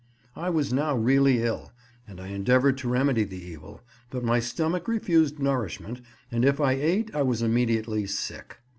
I was now really ill, and I endeavoured to remedy the evil, but my stomach refused nourishment, and if I ate I was immediately sick.